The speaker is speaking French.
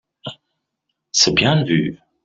C’est bien vu